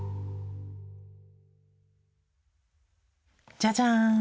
じゃじゃん！